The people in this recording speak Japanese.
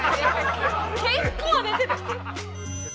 結構出てた。